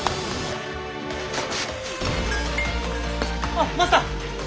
あっマスター！